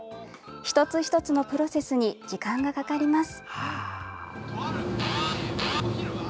一つ一つのプロセスに時間がかかります。